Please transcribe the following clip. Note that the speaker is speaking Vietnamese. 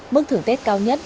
mức thưởng tết cao nhất